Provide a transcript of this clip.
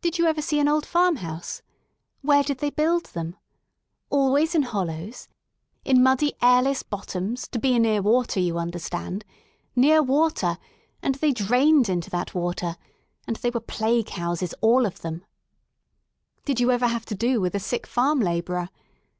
Did you ever see an old farm house? Where did they build them? Always in hollows, in muddy, airless bottoms, to be near water — you understand : near water — and they drained into that water — and they were plague houses all of them, Did you ever have to do with a sick farm labourer?